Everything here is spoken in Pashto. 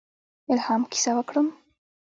الهام کیسه وکړم.